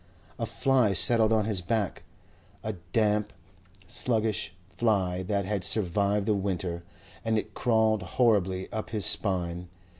A fly settled on his back a damp, sluggish fly that had survived the winter and it crawled horribly up his spine.